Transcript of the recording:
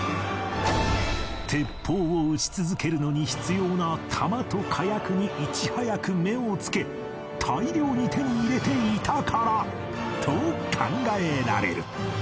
鉄砲を撃ち続けるのに必要な弾と火薬にいち早く目をつけ大量に手に入れていたからと考えられる